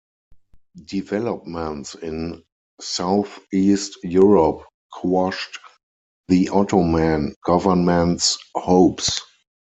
Developments in Southeast Europe quashed the Ottoman government's hopes.